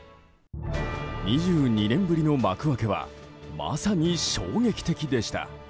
２２年ぶりの幕開けはまさに衝撃的でした。